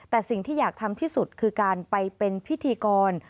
แต่สิ่งที่อยากทำที่สุดคือการไปเป็นพิธีกร